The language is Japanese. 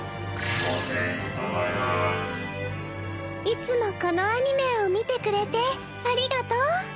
いつもこのアニメを見てくれてありがとう。